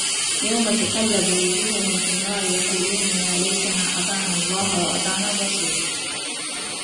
يَوْمَ تُقَلَّبُ وُجُوهُهُمْ فِي النَّارِ يَقُولُونَ يَا لَيْتَنَا أَطَعْنَا اللَّهَ وَأَطَعْنَا الرَّسُولَا